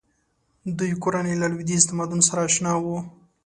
دوی کورنۍ له لویدیځ تمدن سره اشنا وه.